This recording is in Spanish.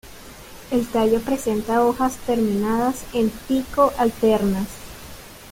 El tallo presenta hojas terminadas en pico alternas.